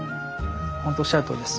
ほんとおっしゃるとおりです。